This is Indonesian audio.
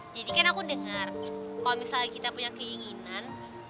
jadi aku dengar kalau misalnya kita punya keinginan